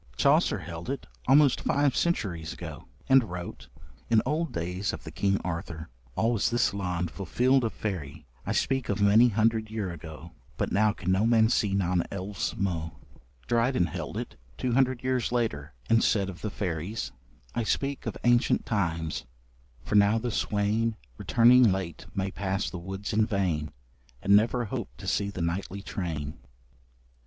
Chaucer held it, almost five centuries ago, and wrote: In olde dayes of the Kyng Arthour, ... Al was this lond fulfilled of fayrie; ... I speke of many hundrid yer ago; But now can no man see non elves mo. Dryden held it, two hundred years later, and said of the fairies: I speak of ancient times, for now the swain Returning late may pass the woods in vain, And never hope to see the nightly train.